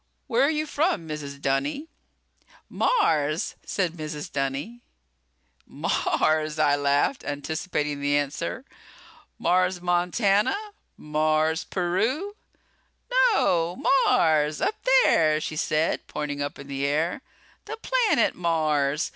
"Where are you from, Mrs. Dunny?" "Mars!" said Mrs. Dunny. "Mars!" I laughed, anticipating the answer. "Mars, Montana? Mars, Peru?" "No, Mars! Up there," she said, pointing up in the air. "The planet Mars.